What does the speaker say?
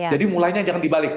jadi mulainya jangan dibalik